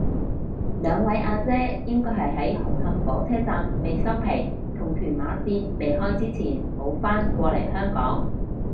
兩位阿姐應該係喺紅磡火車站未收皮同屯馬綫未開之前冇返過嚟香港